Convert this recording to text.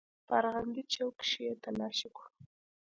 په ارغندې چوک کښې يې تلاشي کړو.